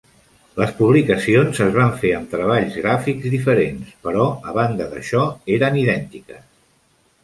Les publicacions es van fer amb treballs gràfics diferents, però a banda d'això eren idèntiques.